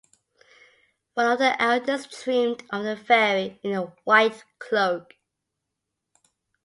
One of the elders dreamed of a fairy in a white cloak.